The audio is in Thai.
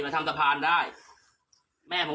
ธรรมะเต๊ะเลย